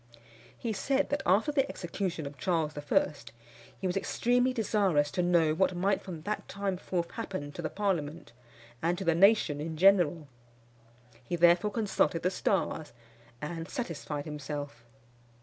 He said that, after the execution of Charles I., he was extremely desirous to know what might from that time forth happen to the parliament and to the nation in general. He therefore consulted the stars, and satisfied himself.